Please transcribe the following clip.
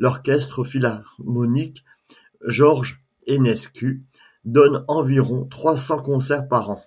L'orchestre philharmonique George Enescu donne environ trois cents concerts par an.